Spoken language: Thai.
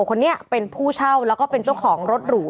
คนนี้เป็นผู้เช่าแล้วก็เป็นเจ้าของรถหรู